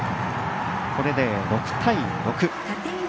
これで６対６。